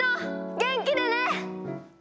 元気でね！